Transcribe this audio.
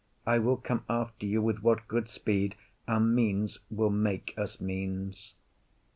I will come after you with what good speed Our means will make us means.